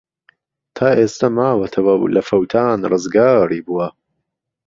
تا ئێستە ماوەتەوە و لە فەوتان ڕزگاری بووە.